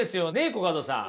コカドさん。